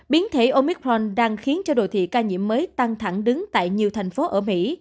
biến thể omicmon đang khiến cho đồ thị ca nhiễm mới tăng thẳng đứng tại nhiều thành phố ở mỹ